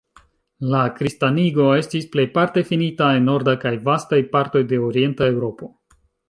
La kristanigo estis plejparte finita en norda kaj vastaj partoj de orienta Eŭropo.